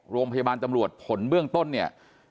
โรงพยาบาลตำรวจผลเบื้องต้นเนี่ย